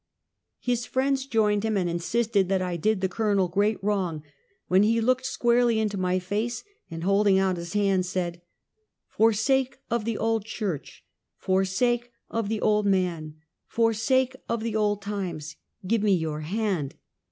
His friends joined him, and insisted that I did the Colonel great wrong, when he looked squarely into my face and, holding out his hand, said: " For sake of the old church, for sake of the old man, for sake of the old times, give me your hand."